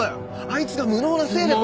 あいつが無能なせいで。